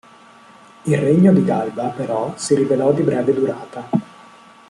Il regno di Galba, però, si rivelò di breve durata.